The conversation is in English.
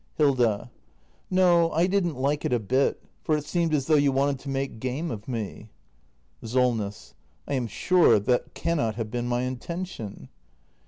Hilda. No, I didn't like it a bit; for it seemed as though you wanted to make game of me. SOLNESS. I am sure that cannot have been my intention.